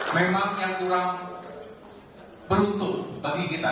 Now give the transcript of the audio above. memang yang kurang beruntung bagi kita